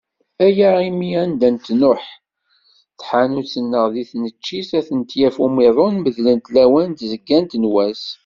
Aya imi anda tnuḥ tḥanut neɣ d taneččit, ad tent-yaf umuḍin medlent lawan n tzeggant n wass.